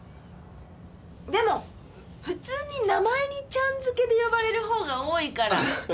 でも普通に名前に「ちゃん」付けで呼ばれる方が多いから。